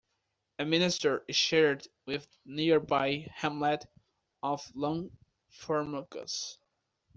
A Minister is shared with nearby hamlet of Longformacus.